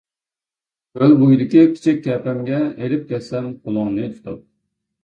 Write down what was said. كۆل بويدىكى كىچىك كەپەمگە، ئېلىپ كەتسەم قولۇڭنى تۇتۇپ.